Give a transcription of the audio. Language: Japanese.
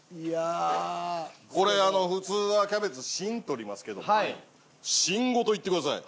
これ普通はキャベツ芯取りますけども芯ごといってください。